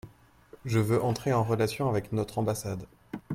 Je veux entrer en relation avec notre ambassade.